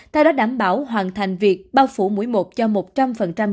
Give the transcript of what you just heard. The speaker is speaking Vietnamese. theo đó đảm bảo hoàn thành việc bao phủ mũi một cho một người